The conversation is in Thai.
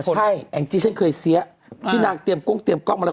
ใช่แองจี้ฉันเคยเสียที่นางเตรียมกล้องเตรียมกล้องมาแล้ว